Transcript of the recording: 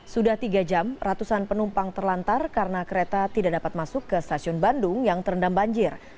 sudah tiga jam ratusan penumpang terlantar karena kereta tidak dapat masuk ke stasiun bandung yang terendam banjir